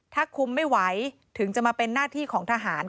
ถ้าคุมไม่ไหวถึงจะมาเป็นหน้าที่ของทหาร